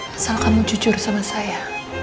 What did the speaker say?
asal kamu jujur sama saya